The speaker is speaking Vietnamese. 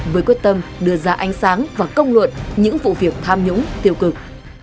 với quyết tâm đưa ra ánh sáng và công luận những vụ việc tham nhũng tiêu cực